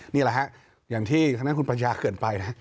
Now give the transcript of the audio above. นี่แหละฮะอย่างที่ทางด้านคุณปัญญาเกิดไปนะ